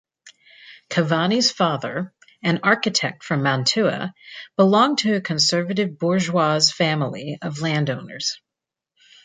Cavani's father, an architect from Mantua, belonged to a conservative bourgeois family of landowners.